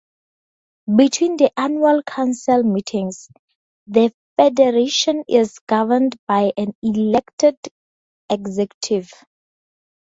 Between the annual Council Meetings, the Federation is governed by an elected Executive.